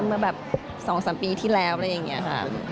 มาแบบ๒๓ปีที่แล้วอะไรอย่างนี้ค่ะ